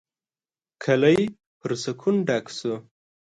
کلی پر سکون ډک شو.